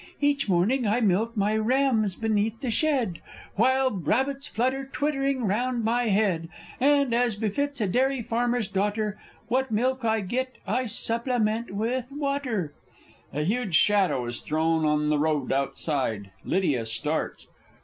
Each morn I milk my rams beneath the shed, While rabbits flutter twittering round my head, And, as befits a dairy farmer's daughter, What milk I get I supplement with water, [A huge Shadow is thrown on the road outside; LYDIA starts.